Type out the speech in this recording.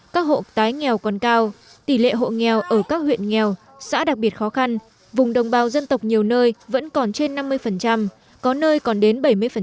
các hộ tái nghèo còn cao tỷ lệ hộ nghèo ở các huyện nghèo xã đặc biệt khó khăn vùng đồng bào dân tộc nhiều nơi vẫn còn trên năm mươi có nơi còn đến bảy mươi